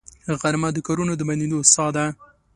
غرمه د کارونو د بندېدو ساه ده